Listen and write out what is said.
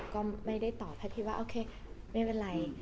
ก็ไม่ได้ก็ตอบเพราะว่าเคอ๋้าไม่เป็นอะไร